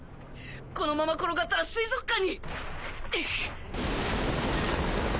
このまま転がったら水族館に！